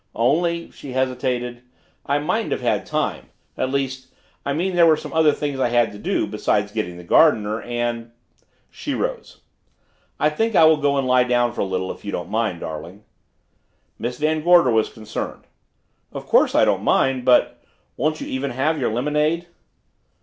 "Only," she hesitated, "I mightn't have had time at least I mean there were some other things I had to do, besides getting the gardener and " She rose. "I think I will go and lie down for a little if you don't mind, darling." Miss Van Gorder was concerned. "Of course I don't mind but won't you even have your lemonade?"